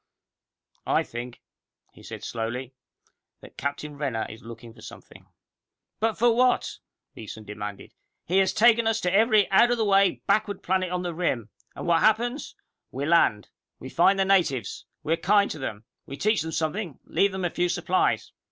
"I think," he said slowly, "that Captain Renner is looking for something." "But for what?" Beeson demanded. "He has taken us to every out of the way, backward planet on the rim. And what happens? We land. We find the natives. We are kind to them. We teach them something, and leave them a few supplies.